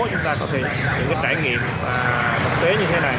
chúng ta có thể những cái trải nghiệm thực tế như thế này